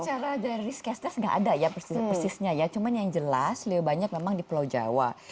secara dari risk caster nggak ada ya persis persisnya ya cuman yang jelas lebih banyak memang di pulau jawa